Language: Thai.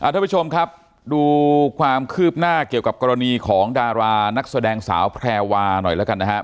ทุกผู้ชมครับดูความคืบหน้าเกี่ยวกับกรณีของดารานักแสดงสาวแพรวาหน่อยแล้วกันนะครับ